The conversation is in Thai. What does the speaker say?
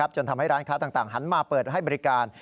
จนทำให้ร้านค้าต่างหันมาเปิดให้บริการ